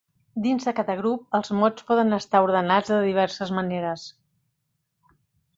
Dins de cada grup els mots poden estar ordenats de diverses maneres.